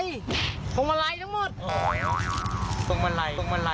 สงทรายสงทรายทั้งหมด